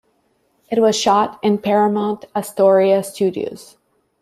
It was shot in Paramount Astoria studios.